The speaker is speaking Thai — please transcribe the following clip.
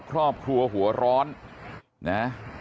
ครอบครัวหัวร้อนนะ